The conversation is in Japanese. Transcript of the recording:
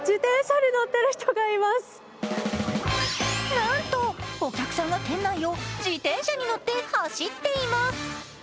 なんと、お客さんが店内を自転車に乗って走っています。